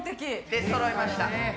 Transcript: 出そろいました。